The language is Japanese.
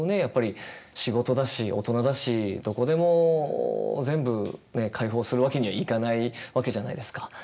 やっぱり仕事だし大人だしどこでも全部開放するわけにはいかないわけじゃないですか。